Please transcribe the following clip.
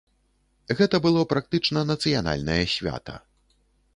Гэта было практычна нацыянальнае свята.